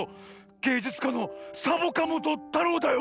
げいじゅつかのサボカもとたろうだよ。